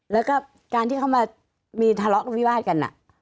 แล้วก็การที่เขามามีทะเลาะวิวาสกัน